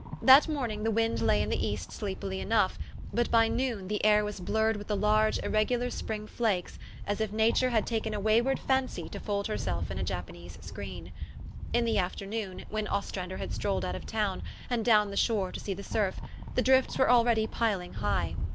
That morning the wind lay in the east sleepily enough ; but by noon the air was blurred with the large, irregular spring flakes, as if Nature had taken a wayward fancy to fold her self in a Japanese screen. In the afternoon, when Ostrander had strolled out of town, and down the shore to see the surf, the drifts were already piling high.